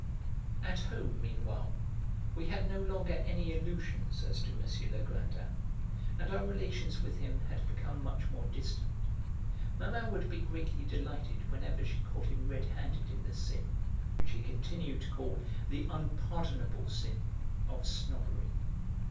At home, meanwhile, we had no longer any illusions as to M. Legrandin, and our relations with him had become much more distant. Mamma would be greatly delighted whenever she caught him red handed in the sin, which he continued to call the unpardonable sin, of snobbery.